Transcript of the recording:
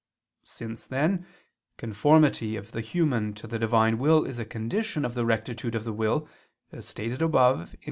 Since, then, conformity of the human to the Divine will is a condition of the rectitude of the will, as stated above (Q.